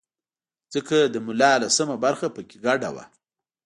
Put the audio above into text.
ځکه د ملا لسمه برخه په کې ګډه وه.